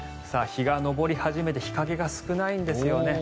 日が昇り始めて日陰が少ないんですよね。